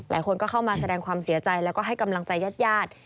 คนก็เข้ามาแสดงความเสียใจแล้วก็ให้กำลังใจญาติญาติ